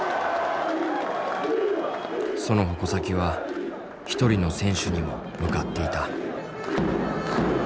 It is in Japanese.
その矛先は一人の選手にも向かっていた。